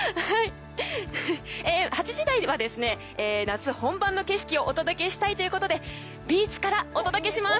８時台は、夏本番の景色をお届けしたいということでビーチからお届けします。